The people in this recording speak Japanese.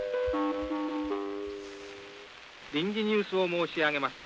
「臨時ニュースを申し上げます。